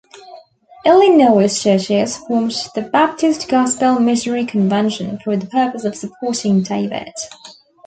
Illinois churches formed the "Baptist Gospel Missionary Convention" for the purpose of supporting David.